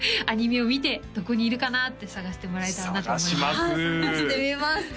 アニメを見てどこにいるかなって探してもらえたらなと思います